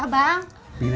gini bang kembali